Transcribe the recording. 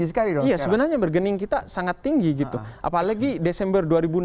jadi bergening kita tinggi sekali iya sebenarnya bergening kita sangat tinggi gitu apalagi desember dua ribu enam belas